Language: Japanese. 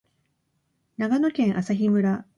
長野県朝日村